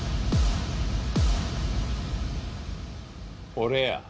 俺や。